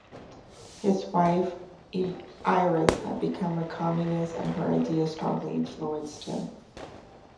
His wife Iris had become a Communist and her ideas strongly influenced him.